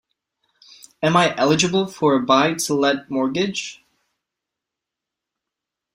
Am I eligible for a buy to let mortgage?